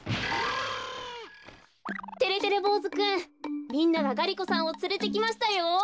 てれてれぼうずくんみんながガリ子さんをつれてきましたよ。